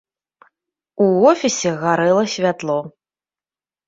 У офісе гарэла святло.